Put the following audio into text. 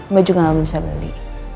mbak juga gak bisa beli